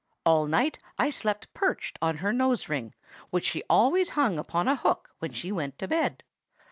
All night I slept perched on her nose ring, which she always hung upon a hook when she went to bed.